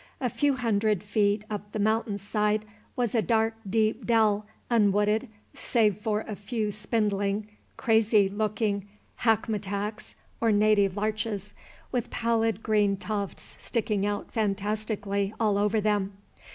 A few hundred feet up The Mountain's side was a dark deep dell, unwooded, save for a few spindling, crazy looking hackmatacks or native larches, with pallid green tufts sticking out fantastically all over them.